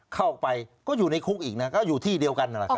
เข้าไปก็อยู่ในคุกอีกนะก็อยู่ที่เดียวกันนั่นแหละครับ